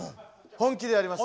本気でやります。